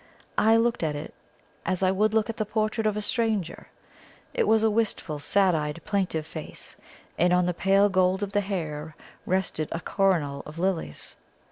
I looked at it as I would look at the portrait of a stranger. It was a wistful, sad eyed, plaintive face, and on the pale gold of the hair rested a coronal of lilies.